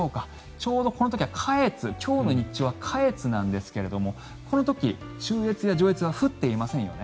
ちょうどこの時は下越今日の日中は下越なんですがこの時、中越や上越は降っていませんよね。